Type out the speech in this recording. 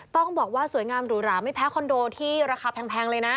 ต้องบอกว่าสวยงามหรูหราไม่แพ้คอนโดที่ราคาแพงเลยนะ